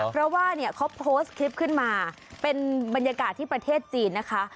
เพราะว่าเนี่ยเขาโพสต์คลิปขึ้นมาเป็นบรรยากาศที่ประเทศจีนนะคะ